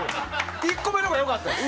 １個目のほうが良かったです。